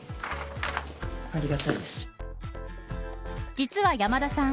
実は山田さん